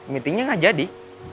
meetingnya gak jadi